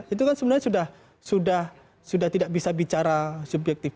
itu kan sebenarnya sudah tidak bisa bicara subjektif